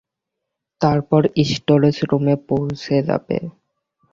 তারপর স্টোরেজ রুমে পৌছে যাবে।